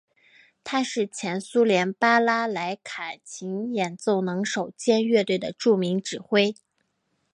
他是前苏联巴拉莱卡琴演奏能手兼乐队的著名指挥。